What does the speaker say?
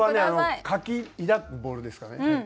あの「かき抱くボール」ですかね